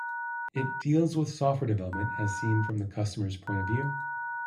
It deals with software development as seen from the customer's point of view.